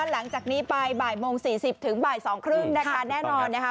หลังจากนี้ไปบ่ายโมง๔๐ถึงบ่าย๒๓๐นะคะแน่นอนนะคะ